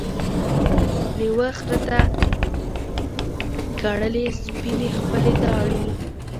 لېوه خره ته کړلې سپیني خپلي داړي